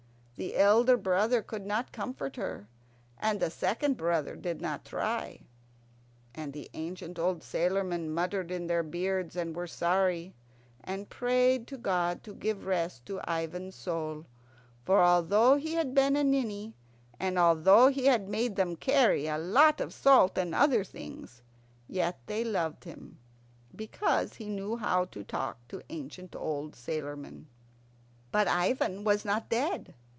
The elder brother could not comfort her, and the second brother did not try. And the ancient old sailormen muttered in their beards, and were sorry, and prayed to God to give rest to Ivan's soul; for although he had been a ninny, and although he had made them carry a lot of salt and other things, yet they loved him, because he knew how to talk to ancient old sailormen. But Ivan was not dead.